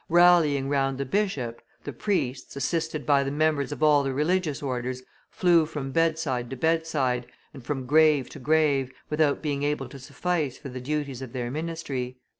Rallying round the bishop, the priests, assisted by the members of all the religious orders, flew from bedside to bedside, and from grave to grave, without being able to suffice for the duties of their ministry.